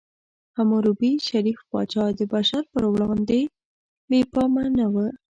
حموربي، شریف پاچا، د بشر په وړاندې بې پامه نه و.